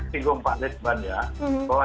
tinggung pak ridwan ya